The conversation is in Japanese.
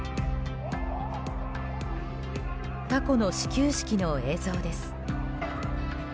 過去の始球式の映像です。